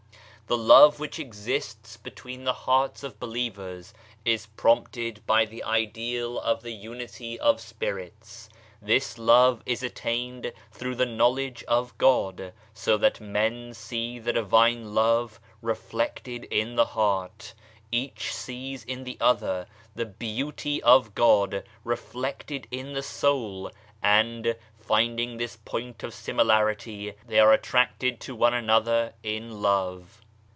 The love which exists between the hearts of believers is prompted by the ideal of the unity of spirits. This love is attained through the knowledge of God, so that men see the Divine Love reflected in the heart. Each sees in the other the Beauty of God reflected in the soul, and finding this point of similarity, they are attracted to one another in love.